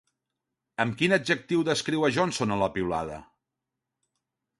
Amb quin adjectiu descriu a Johnson a la piulada?